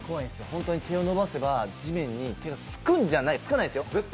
本当に手を伸ばせば地面に手がつくつかないんですよ？